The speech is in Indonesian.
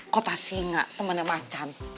kota singa temennya macan